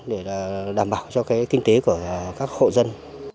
để đảm bảo cho kinh tế của các hộ dân